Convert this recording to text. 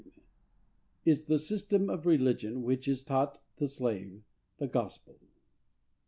IS THE SYSTEM OF RELIGION WHICH IS TAUGHT THE SLAVE THE GOSPEL?